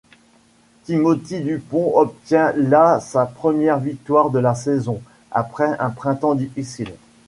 Timothy Dupont obtient là sa première victoire de la saison, après un printemps difficile.